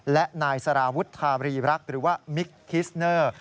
และนายสารวุฒารีรักษ์หรือว่ามิกคิสเนอร์